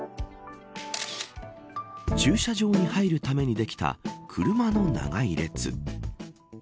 駐車場に入るためにできた車の長い列。